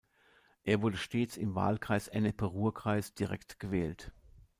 Er wurde stets im Wahlkreis Ennepe-Ruhr-Kreis direkt gewählt.